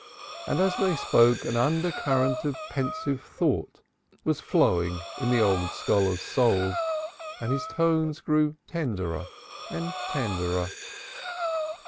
And as they spoke, an undercurrent of pensive thought was flowing in the old scholar's soul and his tones grew tenderer and tenderer.